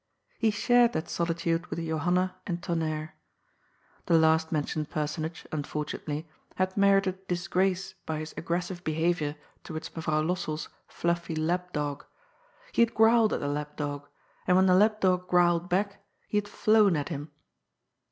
He shared that solitude with Johanna and Tonnerre. The last men tioned personage, unfortunately, had merited disgrace by his aggressive behaviour towards Mevrouw Lossell's fluffy lapdog. He had growled at the lapdog, and when the lap dog growled back, he had flown at him.